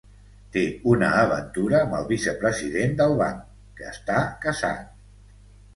Té una aventura amb el vicepresident del banc, que està casat.